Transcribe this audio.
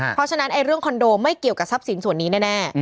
เพราะฉะนั้นเรื่องคอนโดไม่เกี่ยวกับทรัพย์สินส่วนนี้แน่